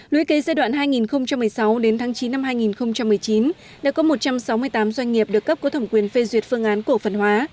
luy kế giai đoạn hai nghìn một mươi sáu đến tháng chín năm hai nghìn một mươi chín đã có một trăm sáu mươi tám doanh nghiệp được cấp có thẩm quyền phê duyệt phương án cổ phần hóa